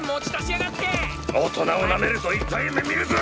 大人をなめると痛い目みるぞ！